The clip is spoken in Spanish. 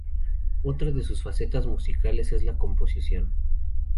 Otra de sus facetas musicales es la Composición.